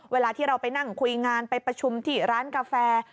เวลาที่เราไปนั่งคุยงานไปประชุมที่ร้านกาแฟ